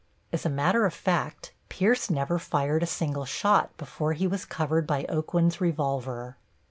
As a matter of fact, Pierce never fired a single shot before he was covered by Aucoin's revolver.